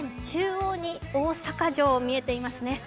中央に大阪城、見えていますね。